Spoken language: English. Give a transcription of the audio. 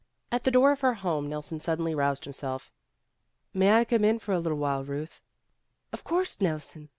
At the door of her home Nelson suddenly roused himself. "May I come in for a little while, Ruth?" "Of course, Nelson.